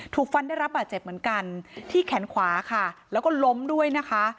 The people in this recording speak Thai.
ถูกฟันได้รับบาดเจ็บเหมือนกันที่แขนขวาค่ะแล้วก็ล้มด้วยนะคะ